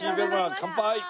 乾杯！